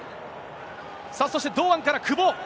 そして、堂安から久保。